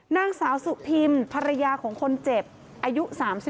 นางสาวสุพิมภรรยาของคนเจ็บอายุ๓๒